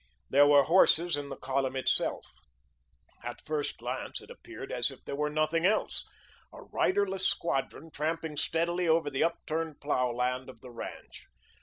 There were horses in the column itself. At first glance, it appeared as if there were nothing else, a riderless squadron tramping steadily over the upturned plough land of the ranch.